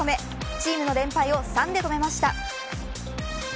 チームの連敗を３で止めました。